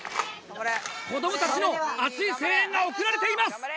子どもたちの熱い声援が送られています！